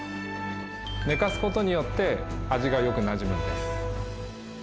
寝かす事によって味がよくなじむんです。